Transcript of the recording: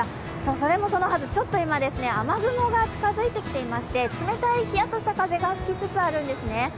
それもそのはず、ちょっと今雨雲が近づいてきていまして冷たいひやっとした風が吹きつつあるんですね。